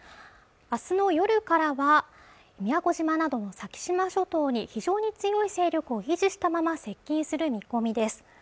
明日の夜からは宮古島などの先島諸島に非常に強い勢力を維持したまま接近する見込みです